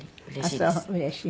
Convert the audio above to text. うれしい。